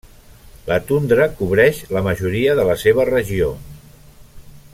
La tundra cobreix la majoria de la seva regió.